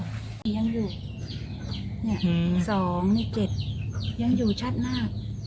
ยังอยู่สองสิบเจ็ดยังอยู่ชัดหน้า